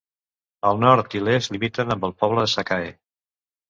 El nord i l'est limiten amb el poble de Sakae.